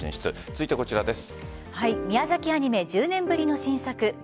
続いてはこちらです。